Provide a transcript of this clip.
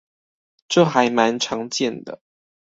這還蠻常見的